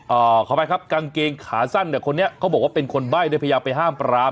เออเขาไปครับกางเกงขาสั้นคนนี้เขาพูดว่าเป็นคนใบ้แล้วพยายามไปห้ามปราม